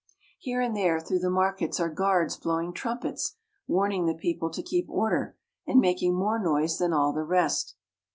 Here and there through the markets are guards blowing trumpets, warning the people to keep order, and making more noise than all the rest.